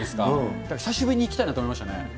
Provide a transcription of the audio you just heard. だから、久しぶりに行きたいなと思いましたね。